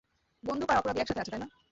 বন্দুক আর অপরাধী একসাথে আছে, তাই না?